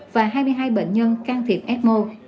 và hai mươi hai bệnh nhân can thiệp ecmo